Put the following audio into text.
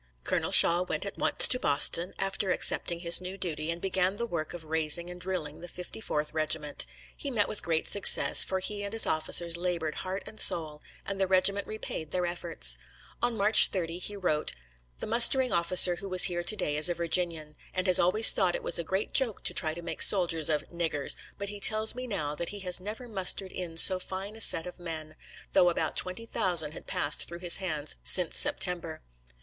Colonel Shaw went at once to Boston, after accepting his new duty, and began the work of raising and drilling the 54th Regiment. He met with great success, for he and his officers labored heart and soul, and the regiment repaid their efforts. On March 30, he wrote: "The mustering officer who was here to day is a Virginian, and has always thought it was a great joke to try to make soldiers of 'niggers,' but he tells me now that he has never mustered in so fine a set of men, though about twenty thousand had passed through his hands since September."